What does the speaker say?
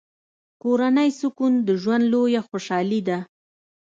کورنی سکون د ژوند لویه خوشحالي ده.